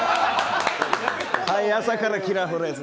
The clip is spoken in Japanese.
朝からキラーフレーズ